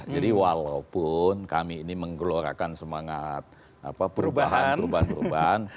jadi walaupun kami ini menggelorkan semangat perubahan